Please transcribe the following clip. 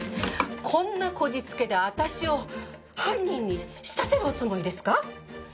こんなこじつけで私を犯人に仕立てるおつもりですか？